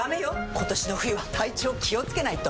今年の冬は体調気をつけないと！